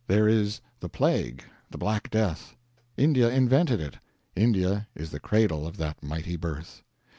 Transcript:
There is the Plague, the Black Death: India invented it; India is the cradle of that mighty birth.